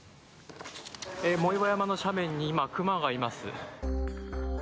藻岩山の斜面に今、熊がいます。